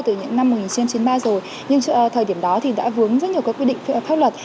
từ những năm một nghìn chín trăm chín mươi ba rồi nhưng thời điểm đó thì đã vướng rất nhiều các quy định pháp luật